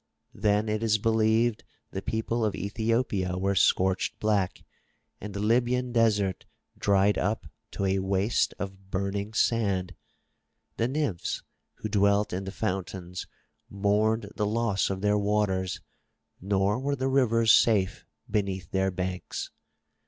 Then it is believed the people of Ethiopia were scorched black and the Libyan desert dried up to a waste of burning sand. The Nymphs who dwelt in the 272 THROUGH FAIRY HALLS fountains mourned the loss of their waters, nor were the rivers safe beneath their banks.